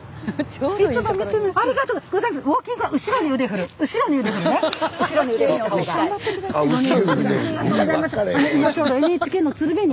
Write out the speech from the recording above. ありがとうございます！